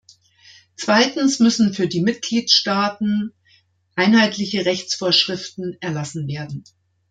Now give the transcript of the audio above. Zweitens müssen für die Mitgliedstaaten einheitliche Rechtsvorschriften erlassen werden.